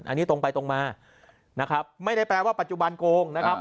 อันนี้ตรงไปตรงมานะครับไม่ได้แปลว่าปัจจุบันโกงนะครับ